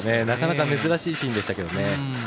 なかなか珍しいシーンでしたけどね。